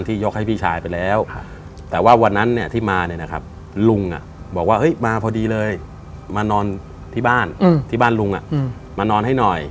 ที่บ้านลุงมานอนให้หน่อย